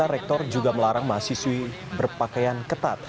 rektor juga melarang mahasiswi berpakaian ketat